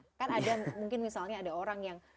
kan ada mungkin misalnya ada orang yang